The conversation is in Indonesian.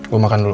gue makan dulu